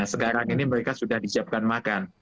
sekarang ini mereka sudah disiapkan makan